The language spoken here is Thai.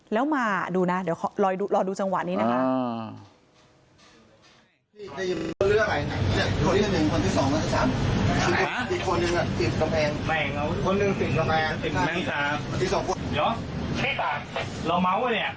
แล้วมาดูนะเดี๋ยวรอดูจังหวะนี้นะคะ